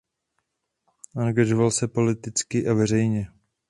Angažoval se politicky a veřejně.